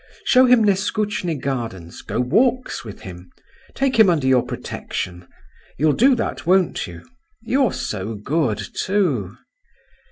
Show him Neskutchny gardens, go walks with him, take him under your protection. You'll do that, won't you? you're so good, too!"